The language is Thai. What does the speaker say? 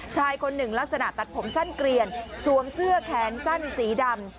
ชายคนหนึ่งลักษณะตัดผมสั้นเกลียนสวมเสื้อแขนสั้นสีดำ